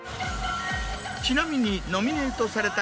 ちなみにノミネートされた。